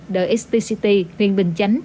the xtcity huyện bình chánh